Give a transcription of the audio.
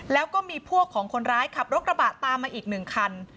แล้วก็มีพวกของคนร้ายขับรถกระบะตามมาอีกหนึ่งคัน